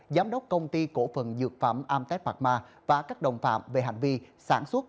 giám đốc công ty cổ phần dược phẩm amtech mạc ma và các đồng phạm về hành vi sản xuất